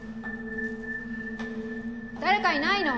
誰かいないの？